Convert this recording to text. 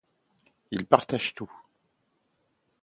Ils partagent tout.